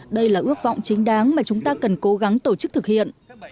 đây là ước vọng chính đáng mà chúng ta cần cố gắng tổ chức thực hiện